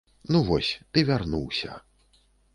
Ну вось, ты вярнуўся.